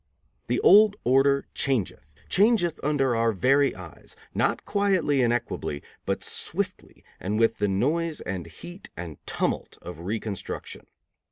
The old order changeth changeth under our very eyes, not quietly and equably, but swiftly and with the noise and heat and tumult of reconstruction.